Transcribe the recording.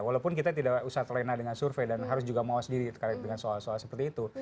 walaupun kita tidak usah terlena dengan survei dan harus juga mawas diri terkait dengan soal soal seperti itu